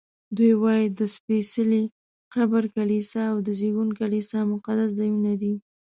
دوی وایي د سپېڅلي قبر کلیسا او د زېږون کلیسا مقدس ځایونه دي.